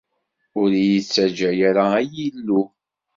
Ur iyi-ttaǧǧa ara, ay Illu.